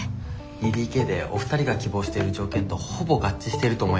２ＤＫでお二人が希望している条件とほぼ合致してると思いますけど。